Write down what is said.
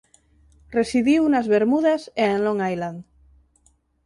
Residiu nas Bermudas e en Long Island.